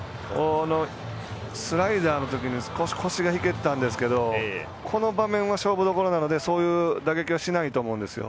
スライダーのときに少し腰が引けてたんですけどこの場面は勝負どころなのでそういう打撃はしないと思うんですよ。